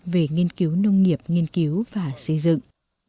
về nghiên cứu nông nghiệp nghiên cứu và xây dựng